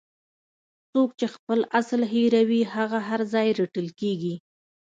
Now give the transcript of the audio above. څوک چې خپل اصل هیروي هغه هر ځای رټل کیږي.